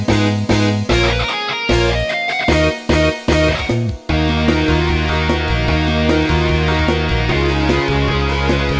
เพลงนี้นะครับบอกได้เลยว่าโจ๊ะเหลือเกิน